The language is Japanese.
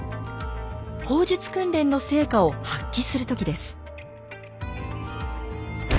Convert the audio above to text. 砲術訓練の成果を発揮する時です。